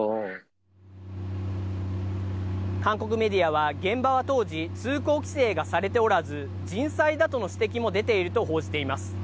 韓国メディアは、現場は当時、通行規制がされておらず、人災だとの指摘も出ていると報じています。